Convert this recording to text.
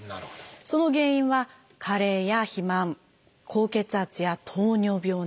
その原因は加齢や肥満高血圧や糖尿病などということで。